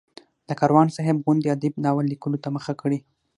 د کاروان صاحب غوندې ادیب ناول لیکلو ته مخه کړي.